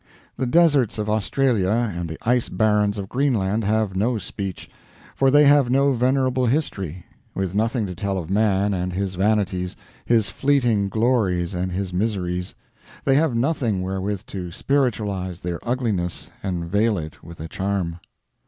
The deserts of Australia and the ice barrens of Greenland have no speech, for they have no venerable history; with nothing to tell of man and his vanities, his fleeting glories and his miseries, they have nothing wherewith to spiritualize their ugliness and veil it with a charm.